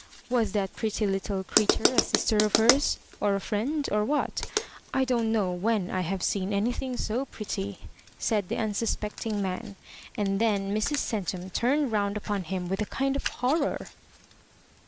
" Was that pretty little creature a sister of hers?— or a friend ? or what ? I don't know when I have seen anything so pretty," said the unsuspecting man ; and then Mrs. Centum turned round upon him with a kind of horror.